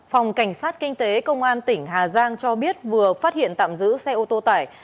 phòng cảnh sát kinh tế công an tỉnh hà giang cho biết vừa phát hiện tạm giữ xe ô tô tải